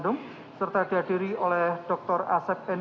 bisa dipakai keber skiing